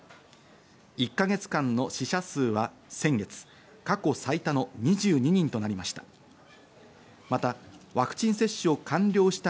１か月間の死者数は先月、過去最多の２２人となりました。